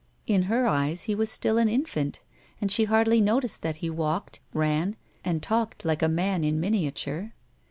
In her eyes he was still an infant, and she hardly noticed that he walked, ran, and talked like a man in miniature.